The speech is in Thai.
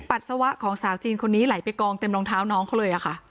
ปัสสาวะของสาวจีนคนนี้ไหลไปกองเต็มรองเท้าน้องเขาเลยค่ะ